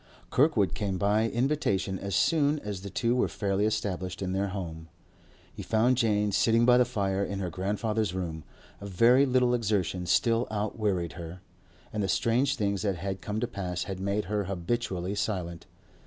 Kirkwood came by invitation as soon as the two were fairly established in their home. He found Jane sitting by the fire in her grandfather's room; a very little exertion still out wearied her, and the strange things that had come to pass had made her habitually silent.